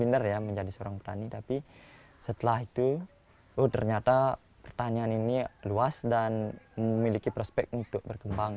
saya tidak pernah berpikir menjadi seorang petani tapi setelah itu ternyata pertanian ini luas dan memiliki prospek untuk berkembang